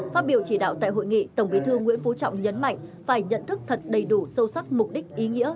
phát biểu chỉ đạo tại hội nghị tổng bí thư nguyễn phú trọng nhấn mạnh phải nhận thức thật đầy đủ sâu sắc mục đích ý nghĩa